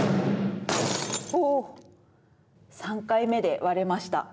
３回目で割れました。